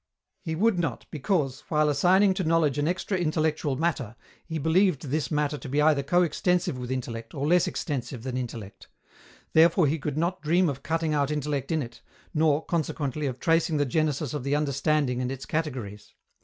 He would not, because, while assigning to knowledge an extra intellectual matter, he believed this matter to be either coextensive with intellect or less extensive than intellect. Therefore he could not dream of cutting out intellect in it, nor, consequently, of tracing the genesis of the understanding and its categories.